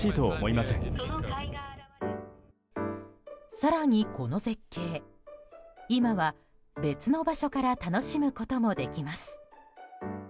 更に、この絶景今は別の場所から楽しむこともできます。